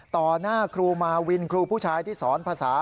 หน้าครูมาวินครูผู้ชายที่สอนภาษา